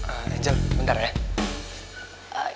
angel bentar ya